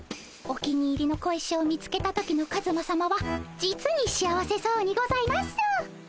お気に入りの小石を見つけた時のカズマさまは実に幸せそうにございます。